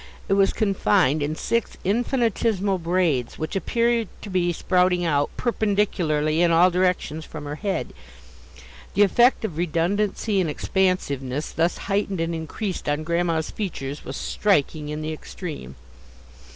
It was confined in six infinitesimal braids which appeared to be sprouting out, perpendicularly, in all directions from her head. The effect of redundancy and expansiveness thus heightened and increased on Grandma's features was striking in the extreme.